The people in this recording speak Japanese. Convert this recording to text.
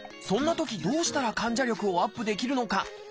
そんなときどうしたら患者力をアップできるのか。